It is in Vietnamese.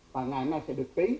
và ngày hôm nay sẽ được ký